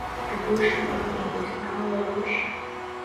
Бгәы ишԥаанаго, иснааларушь?